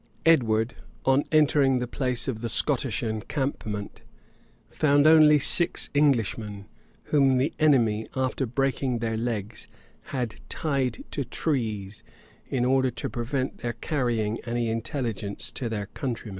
Edward, on entering the place of the Scottish encampment, found only six Englishmen, whom the enemy, after breaking their legs, had tied to trees, in order to prevent their carrying any intelligence to their countrymen.